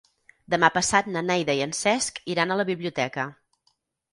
Demà passat na Neida i en Cesc iran a la biblioteca.